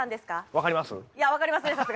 分かります？